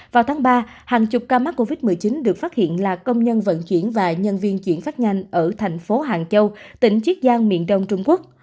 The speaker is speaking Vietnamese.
vào tháng ba hàng chục ca mắc covid một mươi chín được phát hiện là công nhân vận chuyển và nhân viên chuyển phát nhanh ở thành phố hàng châu tỉnh chiết giang miền đông trung quốc